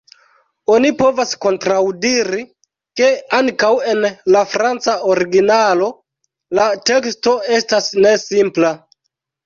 Oni povas kontraŭdiri, ke ankaŭ en la franca originalo la teksto estas ne simpla.